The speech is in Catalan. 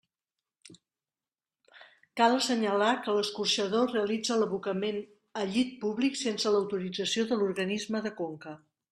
Cal assenyalar que l'escorxador realitza l'abocament a llit públic sense l'autorització de l'organisme de conca.